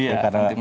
iya penting banget